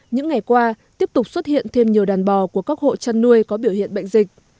những ngày qua tiếp tục xuất hiện thêm nhiều đàn bò của các hộ chăn nuôi có biểu hiện bệnh dịch